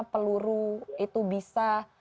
peluru itu bisa